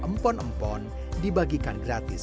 empon empon dibagikan gratis